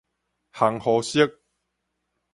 烘予熟